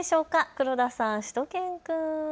黒田さん、しゅと犬くん。